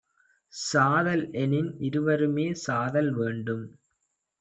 சாதல்எனில் இருவருமே சாதல் வேண்டும்